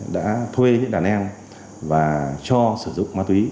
đã thuê những đàn em và cho sử dụng ma túy